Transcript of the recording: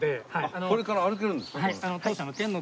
これから歩けるんですか？